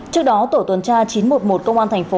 trước đó tổ tuần tra chín trăm một mươi một công an tp đà nẵng